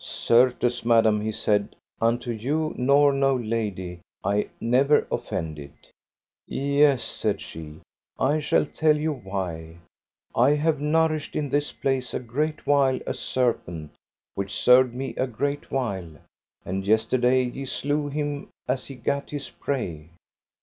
Certes, madam, he said, unto you nor no lady I never offended. Yes, said she, I shall tell you why. I have nourished in this place a great while a serpent, which served me a great while, and yesterday ye slew him as he gat his prey.